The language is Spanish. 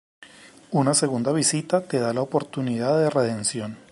Una segunda visita te da la oportunidad de redención